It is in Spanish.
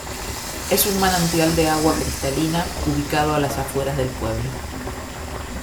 Es un manantial de agua cristalina ubicado a las afueras del pueblo.